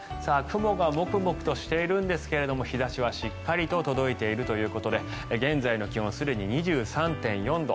雲がモクモクとしているんですが日差しはしっかりと届いているということで現在の気温はすでに２３．４度。